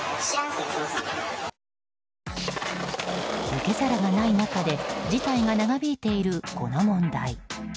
受け皿がない中で事態が長引いているこの問題。